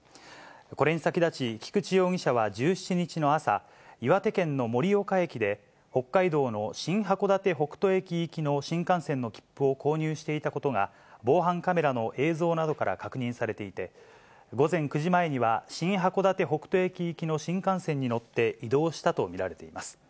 これに先立ち、菊池容疑者は１７日の朝、岩手県の盛岡駅で、北海道の新函館北斗駅行きの新幹線の切符を購入していたことが、防犯カメラの映像などから確認されていて、午前９時前には、新函館北斗駅行きの新幹線に乗って、移動したと見られています。